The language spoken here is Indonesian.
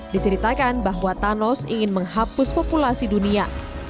diceritakan bahwa thanos ingin menghapus populasi dunia